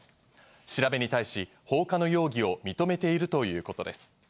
調べに対し放火の容疑を認めているということです。